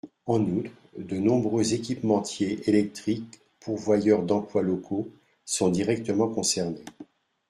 En outre, de nombreux équipementiers électriques, pourvoyeurs d’emplois locaux, sont directement concernés.